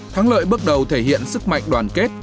tháng lợi bắt đầu thể hiện sức mạnh đoàn kết